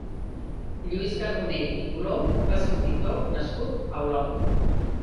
Lluís Carbonell i Colom va ser un pintor nascut a Olot.